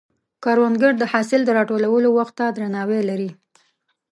کروندګر د حاصل د راټولولو وخت ته درناوی لري